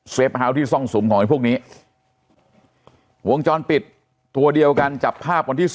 เฮาส์ที่ซ่องสุมของไอ้พวกนี้วงจรปิดตัวเดียวกันจับภาพวันที่๒